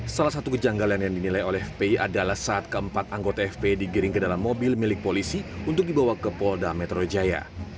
salah satu kejanggalan yang dinilai oleh fpi adalah saat keempat anggota fp digiring ke dalam mobil milik polisi untuk dibawa ke polda metro jaya